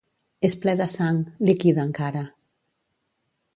És ple de sang, líquida encara.